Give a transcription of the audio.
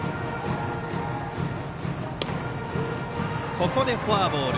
ここでフォアボール。